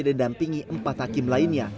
dan dampingi empat hakim lainnya